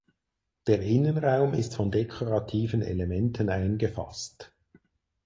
Der Innenraum ist von dekorativen Elementen eingefasst.